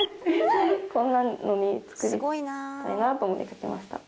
こんなのに作りたいなと思って描きました。